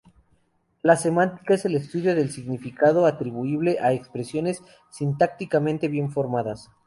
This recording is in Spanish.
La semántica es el estudio del significado atribuible a expresiones sintácticamente bien formadas.